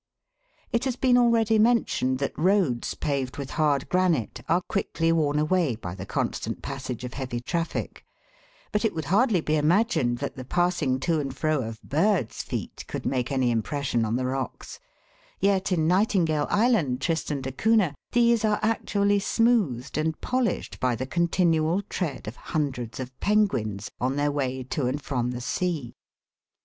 It has been already mentioned that roads paved with hard granite are quickly worn away by the constant passage of heavy traffic, but it would hardly be imagined that the passing to and fro of birds' feet could make any impression on the rocks, yet in Nightingale Island, Tristan da Cunha, these are actually smoothed and polished by the continual tread of hundreds 01 penguins on their way to and from the sea.